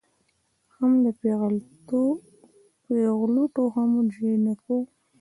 هم د پېغلوټو هم جینکیو